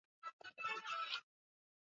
Janet ni mwenye upole sana.